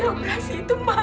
biaya operasi itu mana